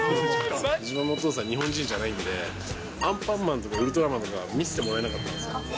自分のお父さん、日本人じゃないんで、アンパンマンとかウルトラマンとか見せてもらえなかったんですよ。